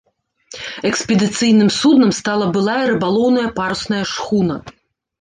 Экспедыцыйным суднам стала былая рыбалоўная парусная шхуна.